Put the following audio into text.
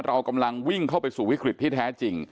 เรากำลังวิ่งเข้าไปสู่วิกฤตที่แท้จริง